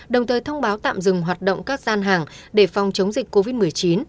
đồng thời thông báo tạm dừng hoạt động các gian hàng để phòng chống dịch covid một mươi chín